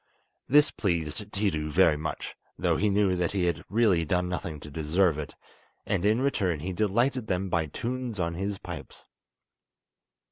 This pleased Tiidu very much, though he knew that he had really done nothing to deserve it, and in return he delighted them by tunes on his pipes.